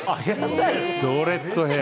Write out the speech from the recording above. ドレッドヘア。